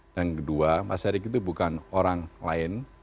yang kedua mas erick itu bukan orang lain